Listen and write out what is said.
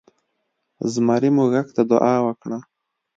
زمري موږک ته دعا وکړه.